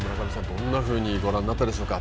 どんなふうにご覧になったでしょうか。